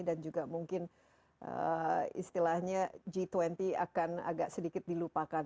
dan juga mungkin istilahnya g dua puluh akan agak sedikit dilupakan